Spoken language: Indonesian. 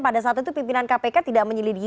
pada saat itu pimpinan kpk tidak menyelidiki